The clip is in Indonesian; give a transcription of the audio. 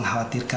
bok dan antar ya